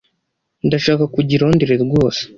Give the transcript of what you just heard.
Ndashaka kujya i Londres rwose '